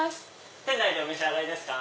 店内でお召し上がりですか？